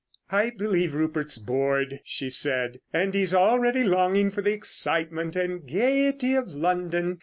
"I believe Rupert's bored," she said, "and he's already longing for the excitement and gaiety of London.